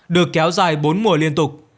được kéo dài bốn mùa liên tục